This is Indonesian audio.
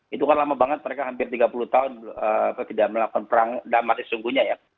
itu kan lama banget mereka hampir tiga puluh tahun tidak melakukan perang damar sesungguhnya ya